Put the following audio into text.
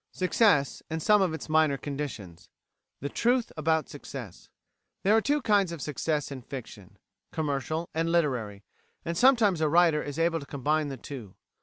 _ CHAPTER XII SUCCESS: AND SOME OF ITS MINOR CONDITIONS The Truth about Success There are two kinds of success in fiction commercial and literary; and sometimes a writer is able to combine the two.